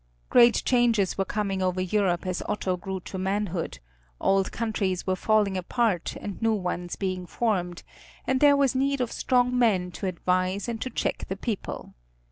Great changes were coming over Europe as Otto grew to manhood; old countries were falling apart, and new ones being formed, and there was need of strong men to advise and to check the people.